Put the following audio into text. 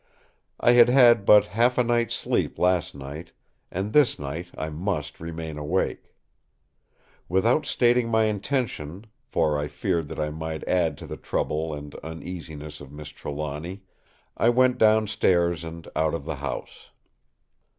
I had had but half a night's sleep last night; and this night I must remain awake. Without stating my intention, for I feared that I might add to the trouble and uneasiness of Miss Trelawny, I went downstairs and out of the house.